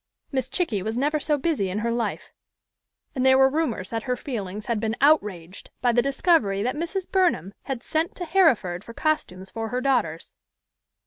Miss Chickie was never so busy in her life, and there were rumors that her feelings had been outraged by the discovery that Mrs. Burnham had sent to Harriford for costumes for her daughters.